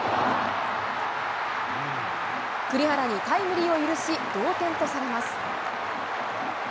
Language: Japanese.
栗原にタイムリーを許し、同点とされます。